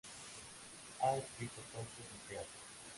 Ha escrito cuentos y teatro.